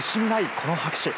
この拍手。